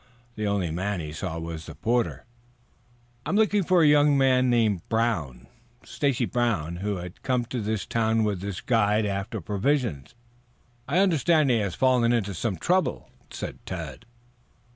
The only man he saw was the porter. "I am looking for a young man named Brown Stacy Brown who came to town with this guide after provisions. I understand he has fallen into some trouble," said Tad.